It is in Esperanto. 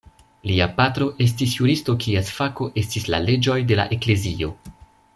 Lia patro estis juristo kies fako estis la leĝoj de la eklezio.